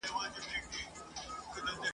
د «پسرلي» په پيل کي بيرته